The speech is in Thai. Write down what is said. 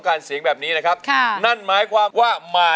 ขอบคุณค่ะ